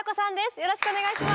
よろしくお願いします。